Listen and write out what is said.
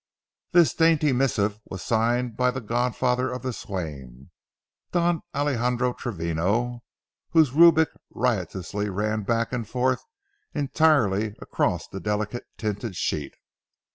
This dainty missive was signed by the godfather of the swain, Don Alejandro Travino, whose rubric riotously ran back and forth entirely across the delicately tinted sheet.